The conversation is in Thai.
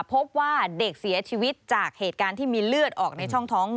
พบว่าเด็กเสียชีวิตจากเหตุการณ์ที่มีเลือดออกในช่องท้อง